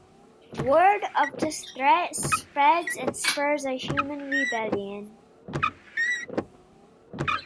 Word of this threat spreads and spurs a human rebellion.